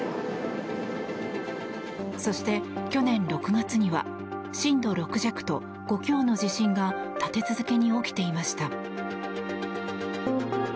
そして、去年６月には震度６弱と５強の地震が立て続けに起きていました。